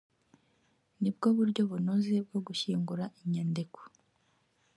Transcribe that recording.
ni bwo buryo bunoze bwo gushyingura inyandiko